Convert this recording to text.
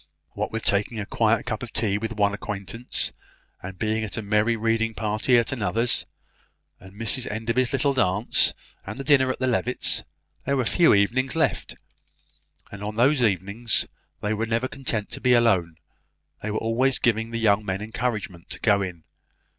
What with taking a quiet cup of tea with one acquaintance, and being at a merry reading party at another's, and Mrs Enderby's little dance, and dinner at the Levitts', there were few evenings left; and on those few evenings they were never content to be alone. They were always giving the young men encouragement to go in.